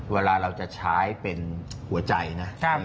เวลาเราจะใช้เป็นหัวใจนะ